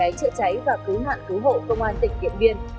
cháy chữa cháy và cứu nạn cứu hộ công an tỉnh điện biên